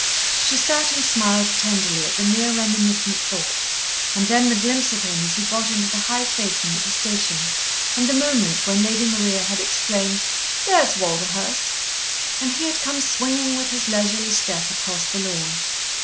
She sat and smiled tenderly at the mere reminiscent thought. And then the glimpse of him as he got into the high phaeton at the station; and the moment when Lady Maria had exclaimed "There's Walderhurst," and he had come swinging with his leisurely step across the lawn.